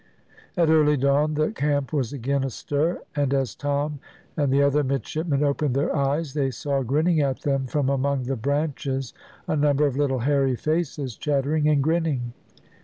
At early dawn the camp was again astir, and as Tom and the other midshipmen opened their eyes, they saw grinning at them from among the branches a number of little hairy faces chattering and grinning.